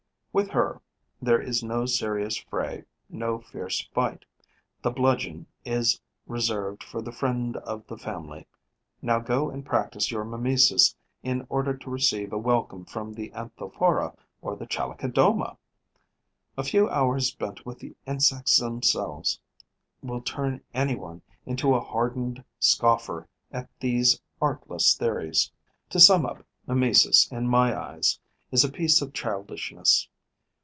With her, there is no serious fray, no fierce fight. The Bludgeon is reserved for the friend of the family. Now go and practice your mimesis in order to receive a welcome from the Anthophora or the Chalicodoma! A few hours spent with the insects themselves will turn any one into a hardened scoffer at these artless theories. To sum up, mimesis, in my eyes, is a piece of childishness.